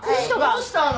どうしたの？